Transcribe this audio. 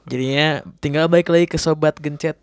jadinya tinggal balik lagi ke sobat gencet